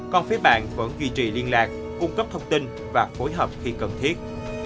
còn phía bạn vẫn duy trì liên lạc cung cấp thông tin và phối hợp khi cần thiết